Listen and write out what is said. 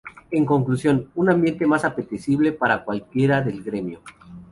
En conclusión, un ambiente más que apetecible para cualquiera del gremio.